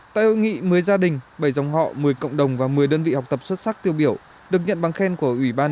tại hội nghị một mươi gia đình bảy dòng họ một mươi cộng đồng và một mươi đơn vị học tập xuất sắc tiêu biểu